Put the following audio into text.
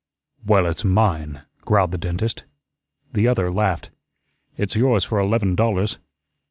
"Well, it's mine," growled the dentist. The other laughed. "It's yours for eleven dollars."